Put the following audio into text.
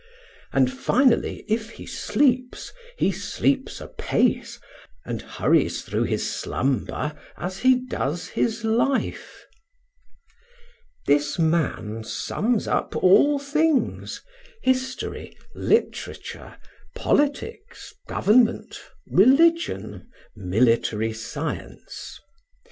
And finally, if he sleeps, he sleeps apace, and hurries through his slumber as he does his life. This man sums up all things history, literature, politics, government, religion, military science.